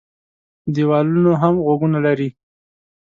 دېوالونو هم غوږونه لري.